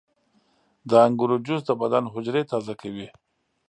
• د انګورو جوس د بدن حجرې تازه کوي.